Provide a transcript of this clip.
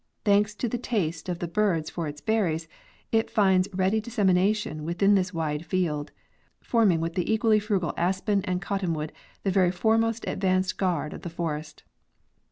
'Thanks to the taste of the birds for its berries, it finds ready dissemina tion within this wide field, forming with the equally frugal aspen and cottonwood the very foremost advance guard of the forest.